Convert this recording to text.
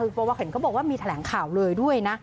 เพราะว่าเห็นเขาบอกว่ามีแถลงข่าวเลยด้วยนะ